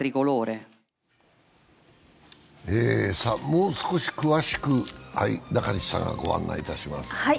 もう少し詳しく中西さんがご案内します。